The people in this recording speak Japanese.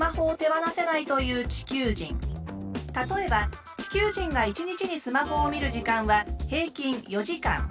例えば地球人が１日にスマホを見る時間は平均４時間。